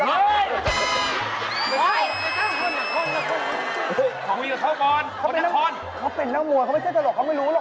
ไม่มีเล่นอะไรกับคนหนักครอบครัวเนอะ